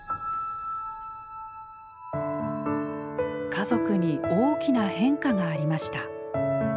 家族に大きな変化がありました。